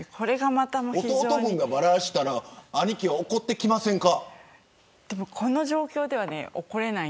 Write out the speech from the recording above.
弟分がばらしたら兄貴は怒ってきませんか。